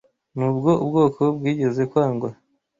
Nubwo ubwoko bwigeze kwangwa